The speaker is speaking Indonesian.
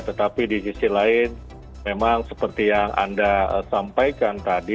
tetapi di sisi lain memang seperti yang anda sampaikan tadi